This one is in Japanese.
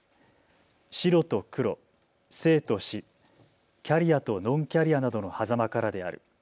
白と黒、生と死、キャリアとノンキャリアなどのはざまからである。